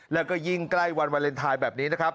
แล้วก็ยิ่งใกล้วันวาเลนไทยแบบนี้นะครับ